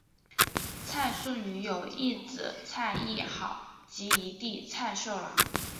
蔡素女有一姊蔡亦好及一弟蔡寿郎。